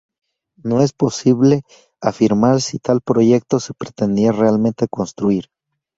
No es posible afirmar si tal proyecto se pretendía realmente construir.